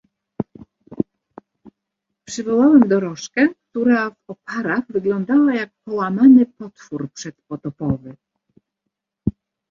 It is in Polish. "Przywołałem dorożkę, która w oparach wyglądała jak połamany potwór przedpotopowy."